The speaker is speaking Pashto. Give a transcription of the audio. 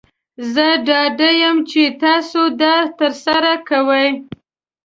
زه ډاډه یم چې تاسو دا ترسره کوئ.